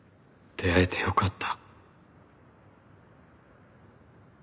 出会えてよかった。